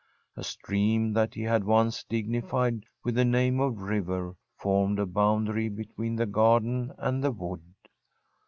A stream that he had once dignified with the name of river formed a boundary between the garden and the wood.